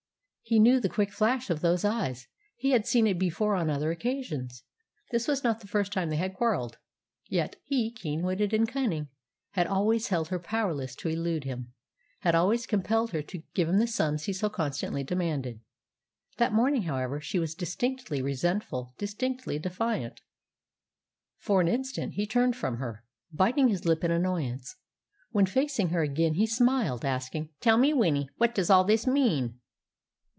He knew the quick flash of those eyes, he had seen it before on other occasions. This was not the first time they had quarrelled, yet he, keen witted and cunning, had always held her powerless to elude him, had always compelled her to give him the sums he so constantly demanded. That morning, however, she was distinctly resentful, distinctly defiant. For an instant he turned from her, biting his lip in annoyance. When facing her again, he smiled, asking, "Tell me, Winnie, what does all this mean?"